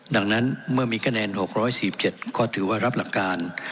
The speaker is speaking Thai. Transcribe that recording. ดังนั้นเมื่อมีคะแนนหกร้อยสิบเจ็ดก็ถือว่ารับหลักการ